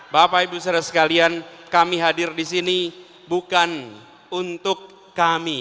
bapak ibu saudara sekalian kami hadir di sini bukan untuk kami